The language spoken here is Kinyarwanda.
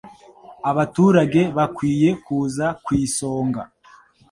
abaturage bakwiye kuza ku isonga